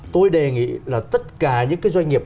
tôi đề nghị là tất cả những cái doanh nghiệp